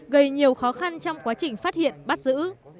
gây nhiều khó khăn trong quá trình phát hiện bắt giữ